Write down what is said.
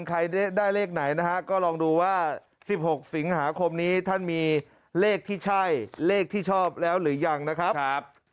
ใครได้เลขไหนนะฮะก็ลองดูว่า๑๖สิงหาคมนี้ท่านมีเลขที่ใช่เลขที่ชอบแล้วหรือยังนะครับ